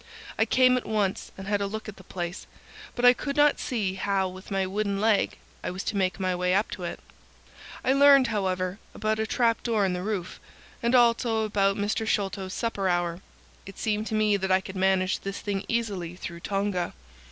I came at once and had a look at the place, but I could not see how with my wooden leg I was to make my way up to it. I learned, however, about a trap door in the roof, and also about Mr. Sholto's supper hour. It seemed to me that I could manage the thing easily through Tonga.